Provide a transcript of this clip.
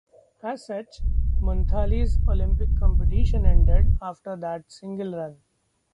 As such, Munthali's Olympic competition ended after that single run.